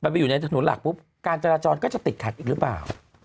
ไปอยู่ในถนนหลักปุ๊บการจราจรก็จะติดขัดอีกหรือเปล่า